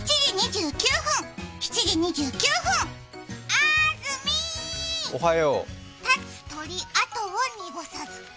あーずみー、立つ鳥跡を濁さず。